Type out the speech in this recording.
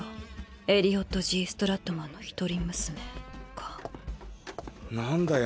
エリオット・Ｇ・ストラットマンの一人娘かなんだよ